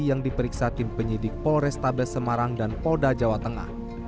yang diperiksa tim penyidik polrestabes semarang dan polda jawa tengah